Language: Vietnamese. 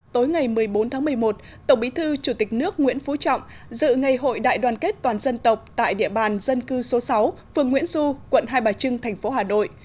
tối ngày một mươi bốn tháng một mươi một tổng bí thư chủ tịch nước nguyễn phú trọng dự ngày hội đại đoàn kết toàn dân tộc tại địa bàn dân cư số sáu phường nguyễn du quận hai bà trưng thành phố hà nội